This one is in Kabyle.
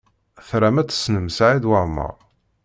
Tram ad tessnem Saɛid Waɛmaṛ?